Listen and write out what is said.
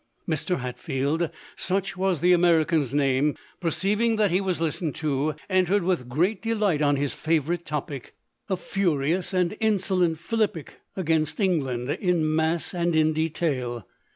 Mr. Hatfield, — such was the American's name, — perceiving that he was listened to, en tered with great delight on his favourite topic, a furious and insolent philippic against England, in mass and in detail.